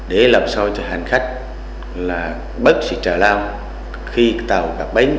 để làm so cho hành khách là bất sự trả lao khi tàu gặp bến